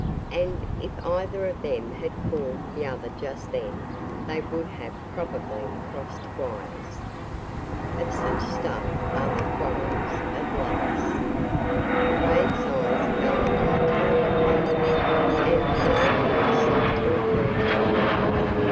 And, if either of them had called the other just then, they would have probably crossed wires. Of such stuff are the quarrels of lovers. Craig's eye fell on the telegraphone, and an idea seemed to occur to him.